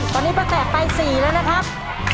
ตอนนี้ป้าแตะไป๔แล้วนะครับ